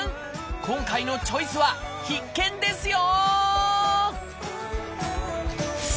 今回の「チョイス」は必見ですよ！